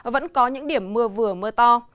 vẫn có những điểm mưa vừa mưa to